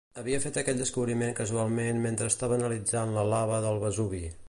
Havia fet aquell descobriment casualment mentre estava analitzant la lava del Vesuvi.